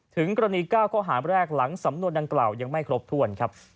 ถึงกรณี๙ข้อหาแรกหลังสำนวนดังกล่าวยังไม่ครบถ้วนครับ